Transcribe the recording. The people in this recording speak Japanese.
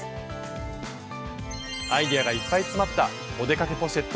アイデアがいっぱい詰まった「お出かけポシェット」。